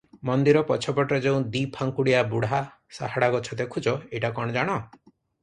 ମନ୍ଦିର ପଛପଟରେ ଯେଉଁ ଦିଫାଙ୍କୁଡିଆ ବୁଢ଼ା ସାହାଡ଼ା ଗଛ ଦେଖୁଛ, ଏଇଟା କଣ ଜାଣ?